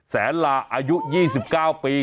แสนลาอายุ๒๙ปี